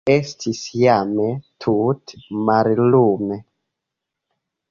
Estis jam tute mallume.